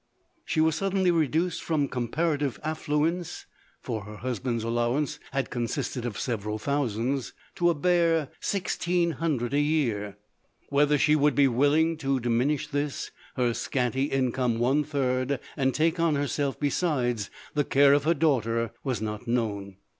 She was suddenly reduced from comparative afHu LODORE. 279 ence (for her husband's allowance had consisted of several thousands) to a bare sixteen hundred a vear. "Whether she would be willing to diminish this her scanty income one third, and take on herself, besides, the care of her daughter, was not known.